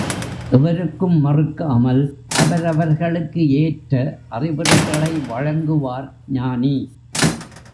எவருக்கும் மறுக்காமல், அவரவர்களுக்கு ஏற்ற அறிவுரைகளை வழங்குவார்.ஞானி.